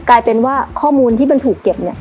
กลายเป็นว่าข้อมูลที่มันถูกเก็บเนี่ย